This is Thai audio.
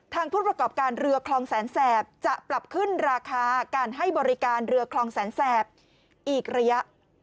ผู้ประกอบการเรือคลองแสนแสบจะปรับขึ้นราคาการให้บริการเรือคลองแสนแสบอีกระยะ